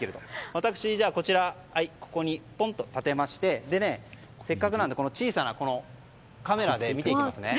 私を、ここにポンと立てましてせっかくなので小さなカメラで見ていきますね。